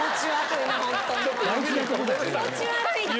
気持ち悪いって！